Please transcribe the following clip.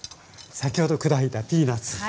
先ほど砕いたピーナツ。